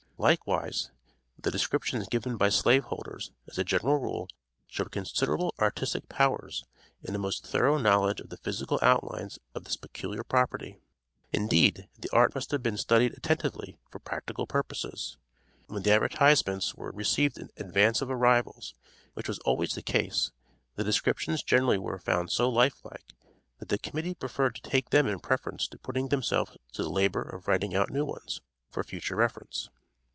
Likewise the descriptions given by slave holders, as a general rule, showed considerable artistic powers and a most thorough knowledge of the physical outlines of this peculiar property. Indeed, the art must have been studied attentively for practical purposes. When the advertisements were received in advance of arrivals, which was always the case, the descriptions generally were found so lifelike, that the Committee preferred to take them in preference to putting themselves to the labor of writing out new ones, for future reference.